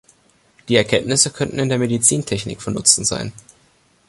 Die Erkenntnisse könnten in der Medizintechnik von Nutzen sein.